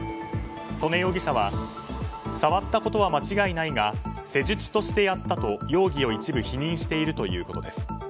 曽根容疑者は触ったことは間違いないが施術としてやったと容疑を一部否認しているということです。